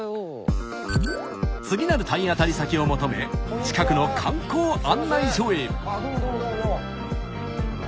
次なる体当たり先を求め近くの観光案内所へ。